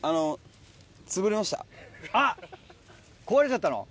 あっ壊れちゃったの？